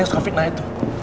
suka suka fitnah itu